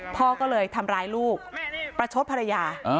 พ่อก็เลยทำร้ายลูกประชดภรรยา